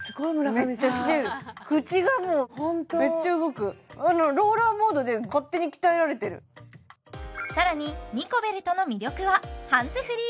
めっちゃきてる口がもうホントめっちゃ動くローラーモードで勝手に鍛えられてる更にニコベルトの魅力はハンズフリー